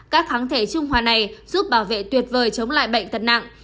các kháng thể trung hoa này giúp bảo vệ tuyệt vời chống lại bệnh tật nặng